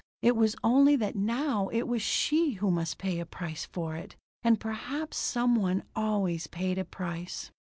It was only that now it was she who must pay a price for it. And perhaps some one always paid a price.